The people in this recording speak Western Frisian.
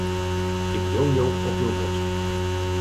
Ik leau jo op jo wurd.